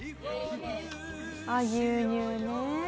あっ牛乳ね。